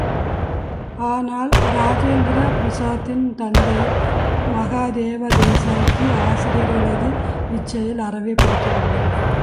ஆனால், இராஜேந்திர பிரசாத்தின் தந்தை மகாதேவ தேசாயக்கு ஆசிரியர்களது இச்செயல் அறவே பிடிக்கவில்லை.